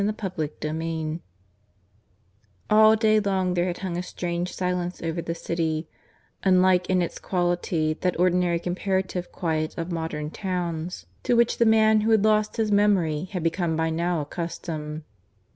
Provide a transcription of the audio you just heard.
CHAPTER III (I) All day long there had hung a strange silence over the city, unlike in its quality that ordinary comparative quiet of modern towns to which the man who had lost his memory had become by now accustomed.